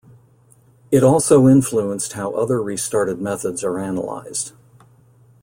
It also influenced how other restarted methods are analyzed.